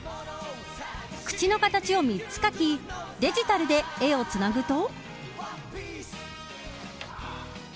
口の形を３つ描きデジタルで絵をつなぐと。